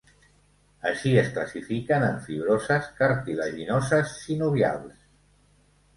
Així es classifiquen en fibroses, cartilaginoses, sinovials.